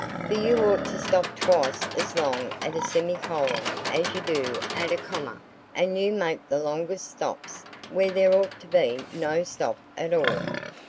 For you ought to stop twice as long at a semicolon as you do at a comma, and you make the longest stops where there ought to be no stop at all."